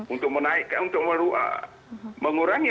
untuk menaikkan untuk mengurangi